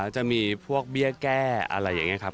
จะมีพวกเบี้ยแก้อะไรอย่างนี้ครับ